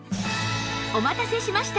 お待たせしました！